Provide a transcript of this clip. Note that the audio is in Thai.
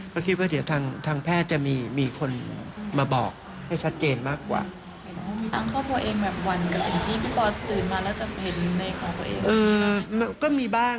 ก็คิดว่าเดี๋ยวทางแพทย์จะมีคนมาบอกให้ชัดเจนมากกว่า